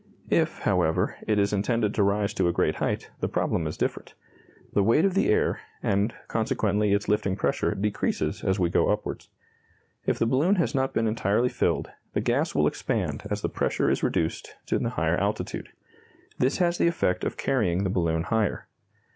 If, however, it is intended to rise to a great height, the problem is different. The weight of the air, and consequently its lifting pressure, decreases as we go upwards. If the balloon has not been entirely filled, the gas will expand as the pressure is reduced in the higher altitude. This has the effect of carrying the balloon higher.